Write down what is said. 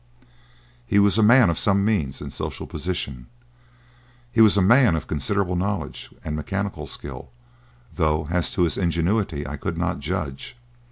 He was a man of some means and social position; he was a man of considerable knowledge and mechanical skill, though as to his ingenuity I could not judge.